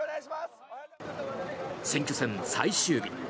選挙戦最終日。